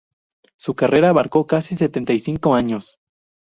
Su carrera abarcó casi setenta y cinco años.